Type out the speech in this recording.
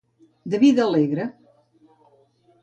De vida alegre.